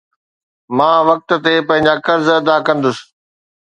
مان وقت تي پنهنجا قرض ادا ڪندس